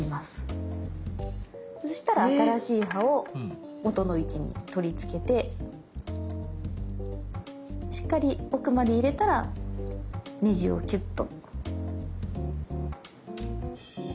外したら新しい刃を元の位置に取り付けてしっかり奥まで入れたらねじをキュッと。